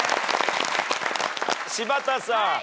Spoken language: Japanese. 柴田さん。